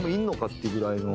っていうぐらいの。